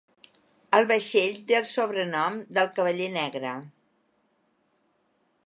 El vaixell té el sobrenom de "El Cavaller Negre".